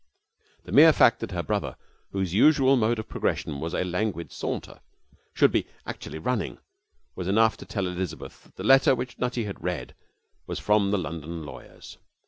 The mere fact that her brother, whose usual mode of progression was a languid saunter, should be actually running, was enough to tell Elizabeth that the letter which Nutty had read was from the London lawyers.